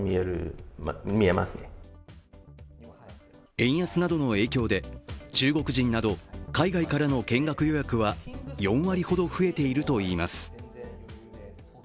円安などの影響で中国人など海外からの見学予約は、４割ほど増えているといいます。